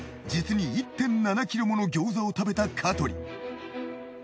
実に１．７ｋｇもの餃子を食べた香取。